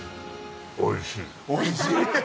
おいしい。